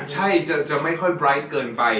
จะไม่ค่อยสะสมทางเกินไป